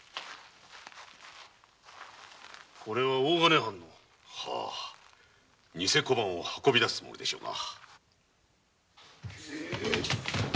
これは大金藩のニセ小判を運び出すつもりでしょうな。